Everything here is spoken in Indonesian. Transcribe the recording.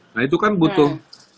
nah itu kan butuh